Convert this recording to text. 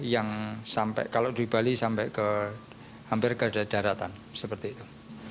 yang sampai kalau di bali sampai ke hampir ke daratan seperti itu